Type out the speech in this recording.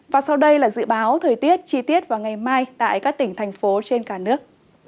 và sau đây là dự báo thời tiết chi tiết vào ngày mai tại các tỉnh thành phố trên cả nước